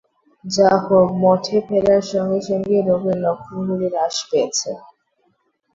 যা হোক, মঠে ফেরার সঙ্গে সঙ্গেই রোগের লক্ষণগুলি হ্রাস পেয়েছে।